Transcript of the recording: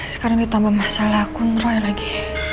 sekarang ditambah masalah akun roy lagi